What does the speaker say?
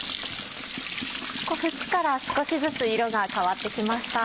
縁から少しずつ色が変わって来ました。